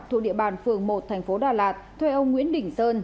thuộc địa bàn phường một thành phố đà lạt thuê ông nguyễn đình sơn